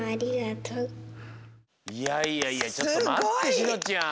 いやいやいやちょっとまってしのちゃん。